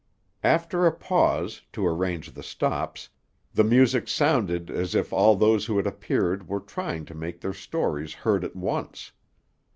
After a pause, to arrange the stops, the music sounded as if all those who had appeared were trying to make their stories heard at once.